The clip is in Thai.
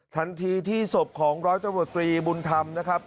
ทันทีที่ศพของร้อยตำรวจตรีบุญธรรมนะครับ